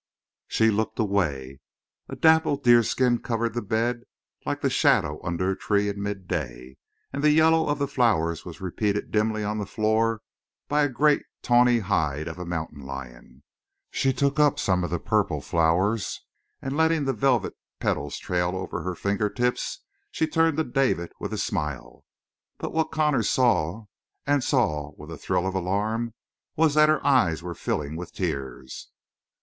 She looked away. A dapple deerskin covered the bed like the shadow under a tree in mid day, and the yellow of the flowers was repeated dimly on the floor by a great, tawny hide of a mountain lion. She took up some of the purple flowers, and letting the velvet petals trail over her finger tips, she turned to David with a smile. But what Connor saw, and saw with a thrill of alarm, was that her eyes were filling with tears.